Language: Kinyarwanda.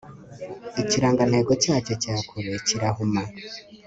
Ikirangantego cyacyo cya kure kirahuma